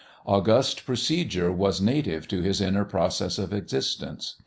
August procedure was native to his inner process of existence.